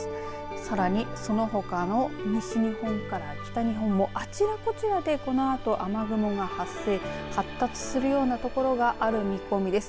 さらにそのほかの西日本から北日本もあちらこちらでこのあと雨雲が発生発達するようなところがある見込みです。